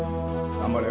頑張れよ。